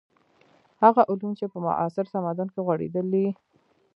هغه علوم چې په معاصر تمدن کې غوړېدلي.